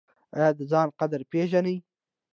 ایا د ځان قدر پیژنئ؟